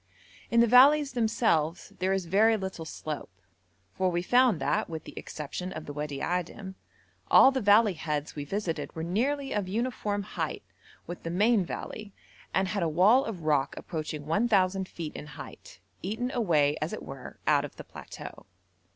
In the valleys themselves there is very little slope, for we found that, with the exception of the Wadi Adim, all the valley heads we visited were nearly of uniform height with the main valley, and had a wall of rock approaching 1,000 feet in height, eaten away as it were out of the plateau.